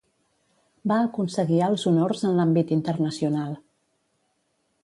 Va aconseguir alts honors en l'àmbit internacional.